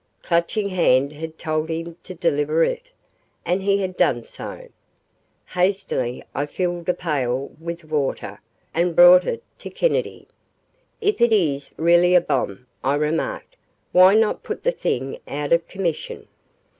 Clutching Hand had told him to deliver it and he had done so! Hastily I filled a pail with water and brought it to Kennedy. "If it is really a bomb," I remarked, "why not put the thing out of commission?"